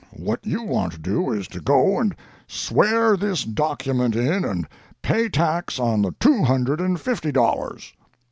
What you want to do is to go and swear this document in and pay tax on the two hundred and fifty dollars."